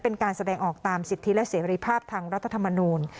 เป็นการแสดงออกตามสิทธิและเสรีภาพทางรัฐธรรมนูล